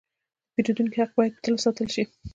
د پیرودونکو حق باید تل وساتل شي.